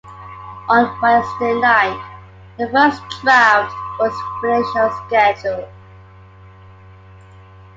On Wednesday night, the first draft was finished on schedule.